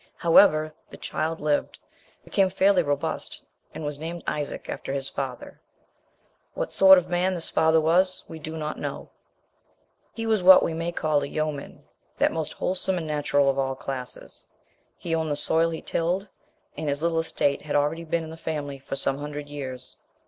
However, the child lived, became fairly robust, and was named Isaac, after his father. What sort of a man this father was we do not know. He was what we may call a yeoman, that most wholesome and natural of all classes. He owned the soil he tilled, and his little estate had already been in the family for some hundred years.